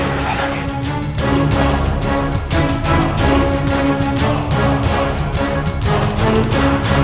terima kasih sheikh